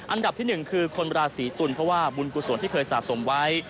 อันดับที่๑คือคนราศีตุลเพราะว่าบุญกุศลที่เคยสะสมไว้